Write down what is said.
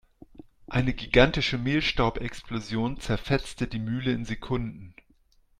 Eine gigantische Mehlstaubexplosion zerfetzte die Mühle in Sekunden.